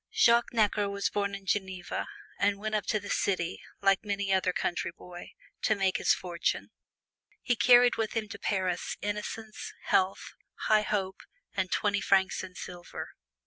Jacques Necker was born in Geneva, and went up to the city, like many another country boy, to make his fortune. He carried with him to Paris innocence, health, high hope, and twenty francs in silver.